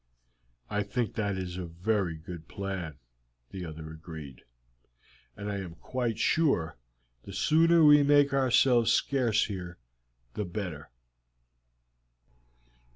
"I think that is a very good plan," the other agreed, "and I am quite sure the sooner we make ourselves scarce here the better."